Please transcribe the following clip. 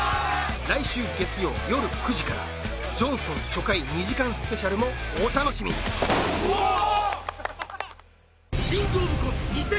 来週月曜よる９時から「ジョンソン」初回２時間スペシャルもお楽しみにわーっ！